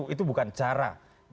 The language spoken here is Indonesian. itu bukan cara